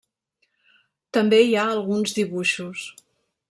També hi ha alguns dibuixos.